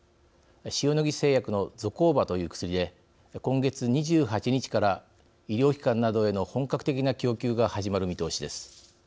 塩野義製薬のゾコーバという薬で今月２８日から医療機関などへの本格的な供給が始まる見通しです。